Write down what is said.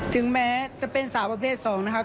ถึงแม้จะเป็นสาวประเภท๒นะครับ